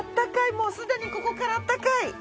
もうすでにここからあったかい。